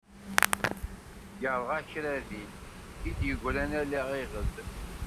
Yerɣa kra din, i d-yegran ala iɣed.